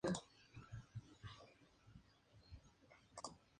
Lanzó su primer sencillo, "Are You With Me?